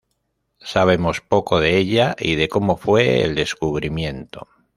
Sabemos poco de ella y de como fue el descubrimiento.